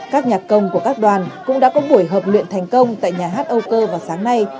các nhạc công của các đoàn cũng đã có buổi hợp luyện thành công tại nhà hát âu cơ vào sáng nay